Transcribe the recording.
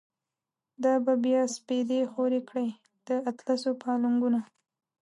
دا به بیا سپیدی خوری کړی، د اطلسو پا لنگونه